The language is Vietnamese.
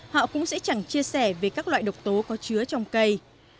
họ cũng sẽ chẳng chia sẻ về các loại độc tố có chứa trong cây